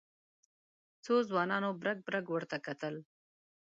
څو ځوانانو برګ برګ ورته کتل.